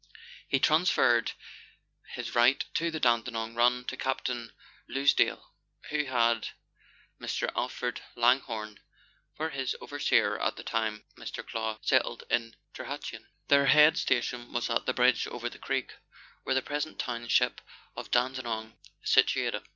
He transferred his right to the Dandenong run to Captain Lousdale, who had Mr. Alfred Langhorne for his overseer at the time Mr. Clow settled at Tirhatuan. Their head station was at the bridge over the creek, where the present township of Dande nong is situated.